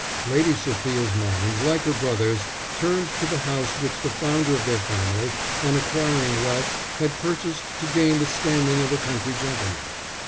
Lady Sophia's mind, like her brother's, turned to the house which the founder of their family, on acquiring wealth, had purchased to gain the standing of a country gentleman.